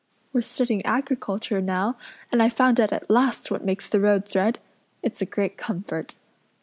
We're studying agriculture now and I've found out at last what makes the roads red. It's a great comfort.